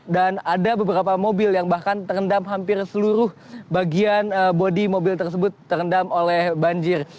dan ada beberapa mobil yang bahkan terendam hampir seluruh bagian bodi mobil tersebut terendam oleh banjir